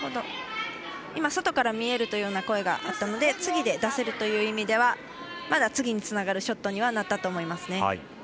今、外から見えるというような声があったので次で出せるという意味ではまだ次につながるショットにはなったと思います。